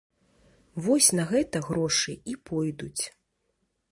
Вось на гэта грошы і пойдуць.